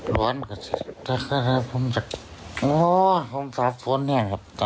หลอนกับโอ้ผมสาภพรณ์เนี่ยครับตอนนี้